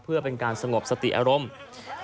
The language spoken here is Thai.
เพื่อเป็นการสงบสติอารมณ์